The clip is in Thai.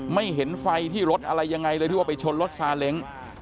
ไม่เห็นไฟที่รถอะไรยังไงเลยที่ว่าไปชนรถซาเล้ง